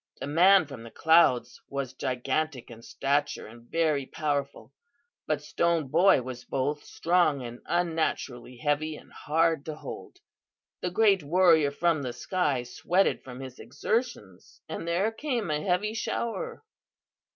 The man from the clouds was gigantic in stature and very powerful. But Stone Boy was both strong and unnaturally heavy and hard to hold. The great warrior from the sky sweated from his exertions, and there came a heavy shower.